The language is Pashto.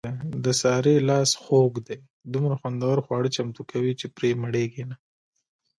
د سارې لاس خوږ دی دومره خوندور خواړه چمتو کوي، چې پرې مړېږي نه.